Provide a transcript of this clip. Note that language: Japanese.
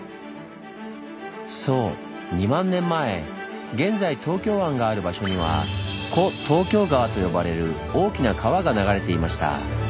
そう２万年前現在東京湾がある場所には「古東京川」と呼ばれる大きな川が流れていました。